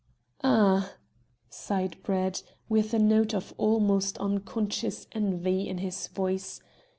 "Ah!" sighed Brett, with a note of almost unconscious envy in his voice.